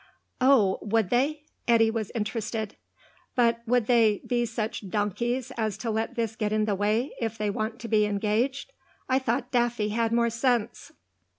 "Oh, would they?" Eddy was interested. "But would they be such donkeys as to let this get in the way, if they want to be engaged? I thought Daffy had more sense."